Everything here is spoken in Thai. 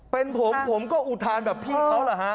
เป็นผมผมก็อุทานแบบพี่เขาเหรอฮะ